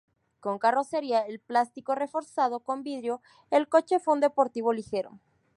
Con carrocería en plástico reforzado con vidrio, el coche fue un deportivo ligero.